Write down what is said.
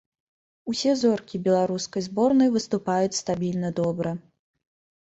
Усе зоркі беларускай зборнай выступаюць стабільна добра.